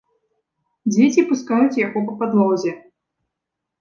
Дзеці пускаюць яго па падлозе.